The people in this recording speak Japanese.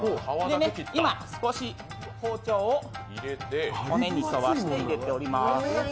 今、少し包丁を骨に沿わせて入れております。